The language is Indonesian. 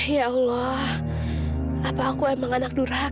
ya allah apa aku emang anak durhat